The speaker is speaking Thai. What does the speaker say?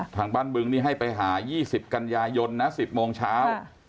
ทางบ้านบึงนี่ให้ไปหา๒๐กันยายนนะ๑๐โมงเช้า